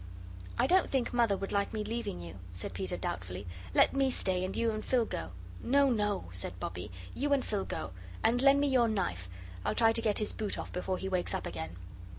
"I don't think Mother would like me leaving you," said Peter, doubtfully. "Let me stay, and you and Phil go." "No, no," said Bobbie, "you and Phil go and lend me your knife. I'll try to get his boot off before he wakes up again."